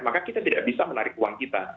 maka kita tidak bisa menarik uang kita